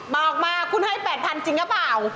บอกมาคุณให้๘๐๐จริงหรือเปล่า